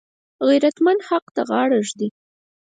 غیرتمند حق ته غاړه ږدي